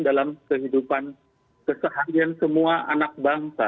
dalam kehidupan keseharian semua anak bangsa